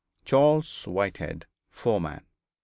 CHARLES WHITEHEAD, Foreman.